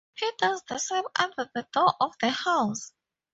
He does the same under the door of the house.